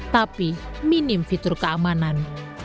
tapi minim fitur keamanan